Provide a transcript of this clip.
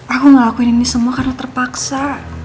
aku ngelakuin ini semua karena terpaksa